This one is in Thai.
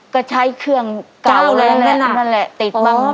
ก็ใช้เครื่องเก่าแรงแน่นั่นแหละติดบ้าง